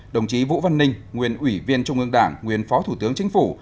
đồng chí vũ văn ninh nguyên ủy viên trung ương đảng nguyên phó thủ tướng chính phủ